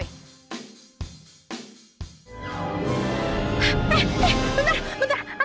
eh eh bentar bentar